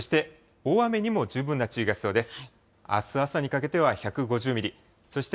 大雨にも十分な注意が必要です。